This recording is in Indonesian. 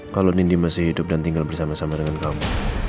kalau nindi masih hidup dan tinggal bersama sama dengan kamu